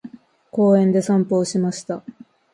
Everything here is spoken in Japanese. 公園で散歩をしました。